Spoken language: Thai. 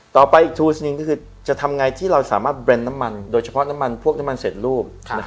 ต่อไปทูลสิ่งหนึ่งก็คือจะทำยังไงที่เราสามารถเบรนด์น้ำมันโดยเฉพาะพวกน้ำมันเสร็จรูป